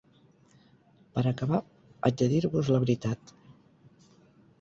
Per a acabar, haig de dir-vos la veritat.